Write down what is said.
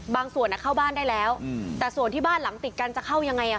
ส่วนเข้าบ้านได้แล้วแต่ส่วนที่บ้านหลังติดกันจะเข้ายังไงอ่ะ